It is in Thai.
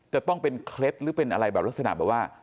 จะต้องเป็นเคล็ดหรือเป็นอะไรแบบลักษณะแบบว่า